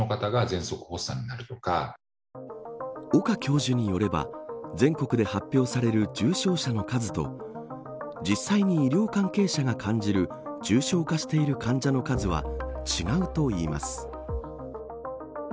岡教授によれば全国で発表される重症者の数と実際に医療関係者が感じる重症化している患者の数は違うと言います。